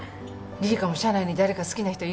リリカも社内に誰か好きな人いるん？